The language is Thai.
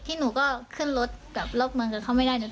ที่หนูขึ้นรถลอบมือหนังกันเขามึงไม่ได้